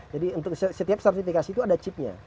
jadi untuk setiap sertifikasi itu ada chipnya